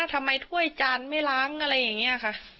ทำไมถ้วยจานไม่ล้างอะไรอย่างนี้